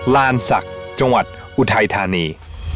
ลานศักดิ์จังหวัดอุทัยธานี